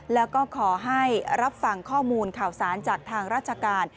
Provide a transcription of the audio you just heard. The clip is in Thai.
แล้วก็ขอให้รับฟังข้อมูลข่าวสารจากทางราชการ